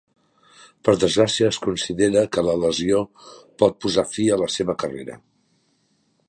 Per desgràcia, es considera que la lesió pot posar fi a la seva carrera.